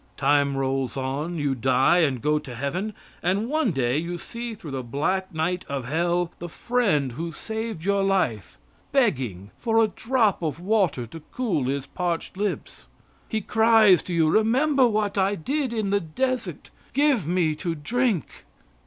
Time rolls on. You die and go to heaven; and one day you see through the black night of hell, the friend who saved your life, begging for a drop of water to cool his parched lips. He cries to you, "Remember what I did in the desert give me to drink."